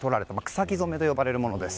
草木染めと呼ばれるものです。